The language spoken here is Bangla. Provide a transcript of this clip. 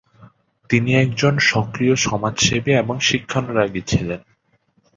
তিনি একজন সক্রিয় সামাজসেবী এবং শিক্ষানুরাগী ছিলেন।